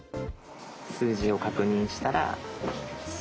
数字を確認したら次。